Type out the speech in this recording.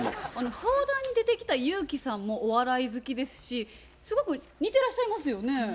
相談に出てきたユウキさんもお笑い好きですしすごく似てらっしゃいますよね。